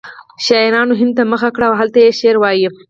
شاعرانو هند ته مخه کړه او هلته یې شعر وایه